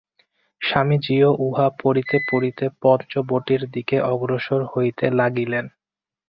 স্বামীজীও উহা পড়িতে পড়িতে পঞ্চবটীর দিকে অগ্রসর হইতে লাগিলেন।